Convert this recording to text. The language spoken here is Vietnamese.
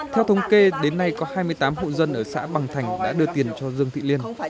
theo thống kê đến nay có hai mươi tám hộ dân ở xã bằng thành đã đưa tiền cho dương thị liên